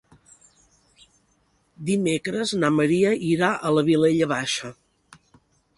Dimecres na Maria irà a la Vilella Baixa.